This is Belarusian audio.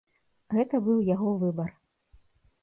Гэта быў яго выбар.